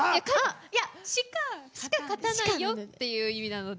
しか勝たないよって意味なので。